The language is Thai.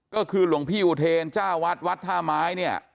ก็คือหลวงพี่อุเทรจ้าวัดวัดท่าไม้เนี่ย